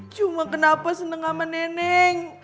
cuma kenapa seneng sama neneng